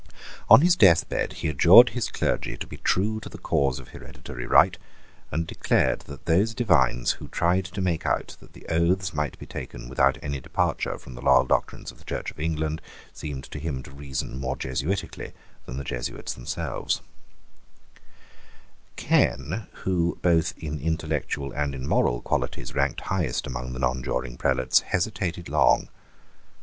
On his deathbed he adjured his clergy to be true to the cause of hereditary right, and declared that those divines who tried to make out that the oaths might be taken without any departure from the loyal doctrines of the Church of England seemed to him to reason more jesuitically than the Jesuits themselves, Ken, who, both in intellectual and in moral qualities, ranked highest among the nonjuring prelates, hesitated long.